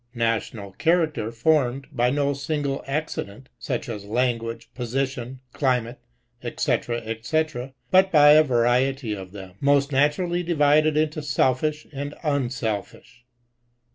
National character formed by no single accident, such as language, position, climate, &c. &c. but by a variety of them. Most naturally divided into selfish and unselfish.